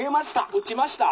「打ちました」。